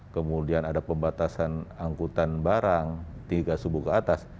kemudian ada pembatasan angkutan barang tiga subuh ke atas